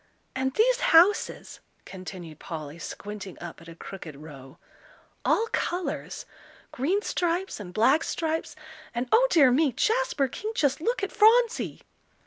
"And these houses," continued Polly, squinting up at a crooked row, "all colours green stripes and black stripes and, O dear me! Jasper King, just look at Phronsie!"